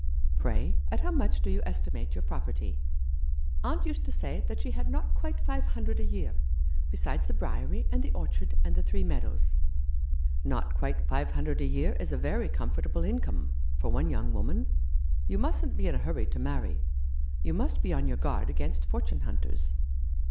Pray, at how much do you estimate your property ■?" "Aunt used to say that she had not quite five hundred a year, besides the Briery, and the orchard, and the three meadows." " Not quite five hundred a year is a very comfort able income — for one young woman. You mustn't be in a hurry to marry. You must be on your guard against fortune hunters."